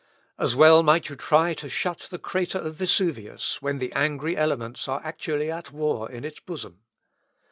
As well might you try to shut the crater of Vesuvius, when the angry elements are actually at war in its bosom!